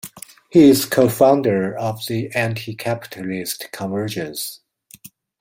He is co-founder of the Anti-Capitalist Convergence.